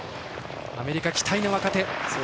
アメリカ期待の若手。